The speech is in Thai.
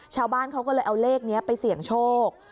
ชาวบ้านเขาก็เลยเอาเลขนี้ไปเสี่ยงโชค